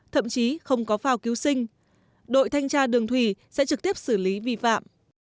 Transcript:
thậm chí không có phao cứu sinh đội thanh tra đường thủy sẽ trực tiếp xử lý vi phạm